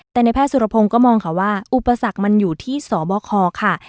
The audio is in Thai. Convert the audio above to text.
แต่ในแพทย์สุรพงศ์ก็มองค่ะว่าอุปสรรคมันอยู่ที่สบคค่ะ